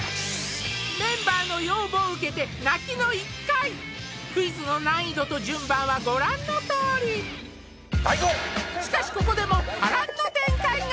メンバーの要望を受けて泣きの一回クイズの難易度と順番はごらんのとおりしかしここでも波乱の展開が？